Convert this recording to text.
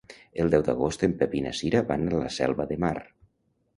El deu d'agost en Pep i na Cira van a la Selva de Mar.